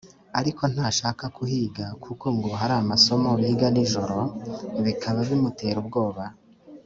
Ariko ntashaka kuhiga kuko ngo hari amasomo biga ni joro bikaba bimutera ubwoba